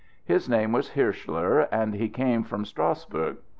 His name was Hirschler, and he came from Strassburg.